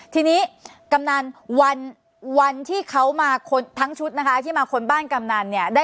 ทีนี้กำนันวันที่เขามาทั้งชุดนะคะที่มาค้นบ้านกำนันเนี่ย